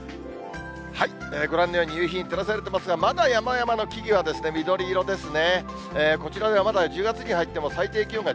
ご覧のように、夕日に照らされてますが、まだ山々は緑色ですね。